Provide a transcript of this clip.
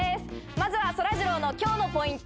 まずはそらジローの今日のポイント